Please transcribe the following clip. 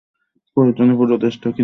প্রয়োজনে পুরো দেশটাও কিনে নেব!